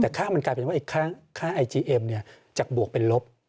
แต่ค่ามันกลายเป็นว่าค่าไอจีเอ็มเนี่ยจากบวกเป็นลบ